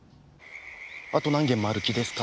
あと何軒回る気ですか？